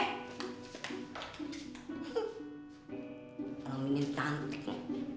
kalau mimin cantik lo